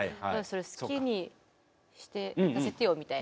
好きにしてさせてよ、みたいな。